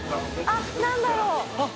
あっ何だろう？